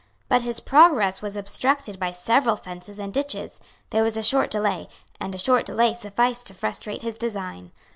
But his progress was obstructed by several fences and ditches; there was a short delay; and a short delay sufficed to frustrate his design.